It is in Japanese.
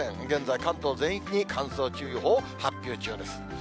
現在、関東全域に乾燥注意報発表中です。